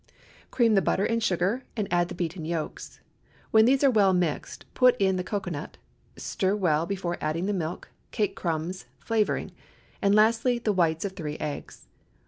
Cream the butter and sugar, and add the beaten yolks. When these are well mixed, put in the cocoanut; stir well before adding the milk, cake crumbs, flavoring; and lastly, the whites of three eggs.